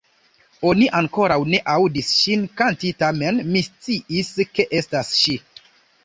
Oni ankoraŭ ne aŭdis ŝin kanti tamen mi sciis ke estas ŝi".